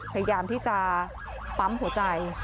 พยายามที่จะปั๊มหัวใจ